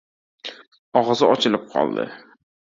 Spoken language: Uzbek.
Og‘zi ochilib qoldi.